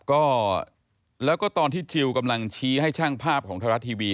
ก็แล้วก็ตอนที่จิลกำลังชี้ให้ช่างภาพของไทยรัฐทีวี